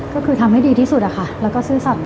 ก็คือทำให้ดีที่สุดอะค่ะแล้วก็ซื่อสัตว